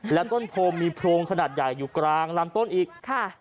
แล้วต้นโพมีโพรงขนาดใหญ่อยู่กลางลำต้นอีกค่ะ